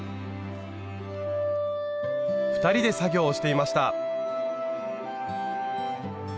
２人で作業をしていました。